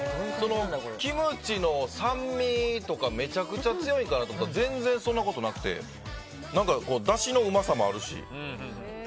キムチの酸味とかめちゃくちゃ強いかなと思ったら全然、そんなことなくて。だしのうまさもあるし。